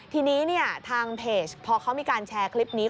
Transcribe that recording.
ทีนี้ทางเพจพอเขามีการแชร์คลิปนี้